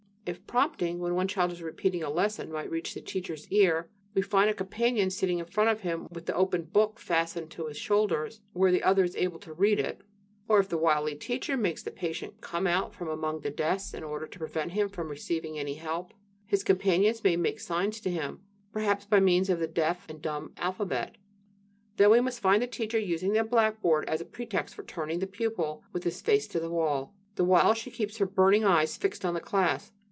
If "prompting" when one child is repeating a lesson might reach the teacher's ear, we find a companion sitting in front of him with the open book fastened to his shoulders, where the other is able to read it. Or if the wily teacher makes the patient come out from among the desks in order to prevent him from receiving any help, his companions may make signs to him, perhaps by means of the deaf and dumb alphabet. Then we find the teacher using the blackboard as a pretext for turning the pupil with his face to the wall, the while she keeps her burning eyes fixed on the class.